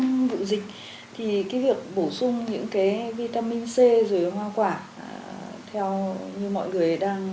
đúng là trong vụ dịch thì cái việc bổ sung những cái vitamin c rồi hoa quả theo như mọi người đang làm